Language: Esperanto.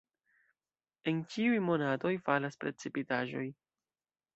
En ĉiuj monatoj falas precipitaĵoj.